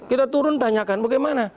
kita turun tanyakan bagaimana